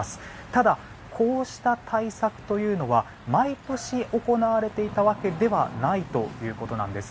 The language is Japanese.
ただ、こうした対策というのは毎年行われていたわけではないということです。